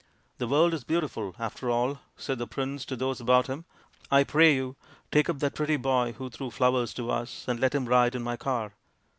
" The world is beautiful after all," said the prince to those about him. " I pray you, take up that pretty boy who threw flowers to us and let him ride in my car."